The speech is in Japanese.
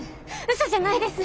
嘘じゃないです。